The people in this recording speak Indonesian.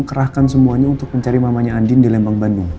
kerahkan semuanya untuk mencari mamanya andin di lembang bandung